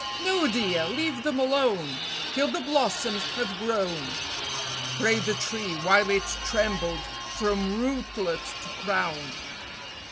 "No, dear, leave them alone Till the blossoms have grown," Prayed the tree, while it trembled from rootlet to crown.